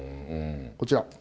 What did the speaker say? こちら。